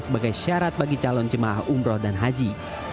sebagai syarat bagi calon jemaah umroh dan haji